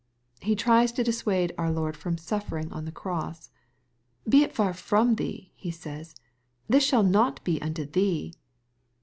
He tries to dissuade our Lord from suffering on the cross. " Be it far from thee," he says, " this shall not be unto thee."